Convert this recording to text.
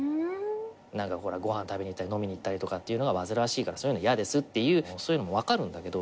何かほらご飯食べに行ったり飲みに行ったりとかっていうのが煩わしいからそういうの嫌ですっていうそういうのも分かるんだけど。